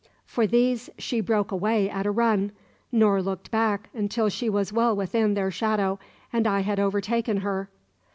For these she broke away at a run, nor looked back until she was well within their shadow and I had overtaken her.